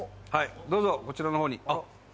どうぞこちらの方に。